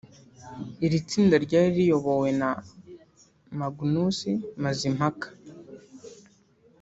iri tsinda ryari riyobowe na Magnus Mazimpaka